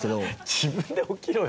自分で起きろよ。